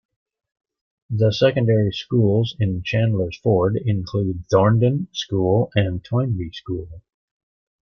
The secondary schools in Chandler's Ford include Thornden School and Toynbee School.